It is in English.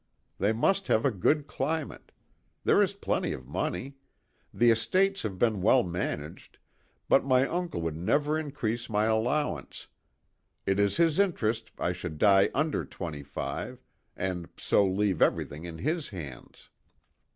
They must have a good climate. There is plenty of money. The estates have been well managed, but my uncle would never in crease my allowance. It is his interest I should die under twenty five, and so leave everything in his hands.